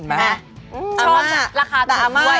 น้ออ้าโม่่ยอะลักษณะ